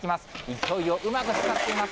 勢いをうまく使っています。